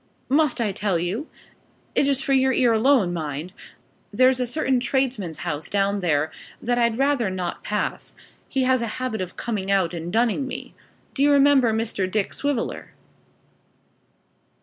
"Must I tell you? It is for your ear alone, mind. There's a certain tradesman's house down there that I'd rather not pass; he has a habit of coming out and dunning me. Do you remember Mr. Dick Swiveller?"